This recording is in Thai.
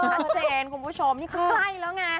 ชัดเจนคุณผู้ชมนี่คือใกล้แล้วไง